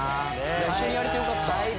「一緒にやれてよかった」